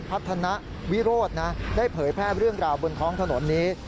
พัฒนาวิโรธนะได้เผยแพร่เรื่องราวบนท้องถนนนี้